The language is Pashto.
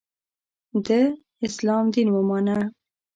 د ه داسلام دین ومانه.